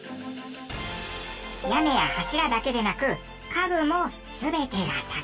屋根や柱だけでなく家具も全てが竹。